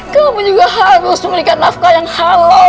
kamu juga harus memberikan nafkah yang halal